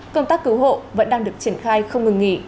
công tác cứu hộ vẫn đang được triển khai không ngừng nghỉ